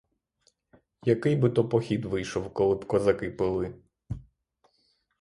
Який би то похід вийшов, коли б козаки пили?